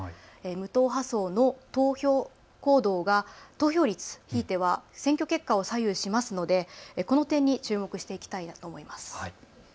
無党派層の投票行動が投票率、ひいては選挙結果を左右するのでこの点に注目していきたいなと思います。